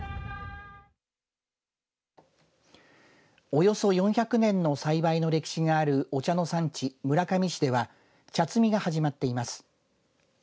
およそ４００年の栽培の歴史があるお茶の産地、村上市では茶摘みが始まっています。